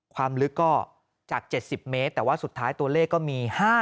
ความลึกก็จาก๗๐เมตรแต่ว่าสุดท้ายตัวเลขก็มี๕๐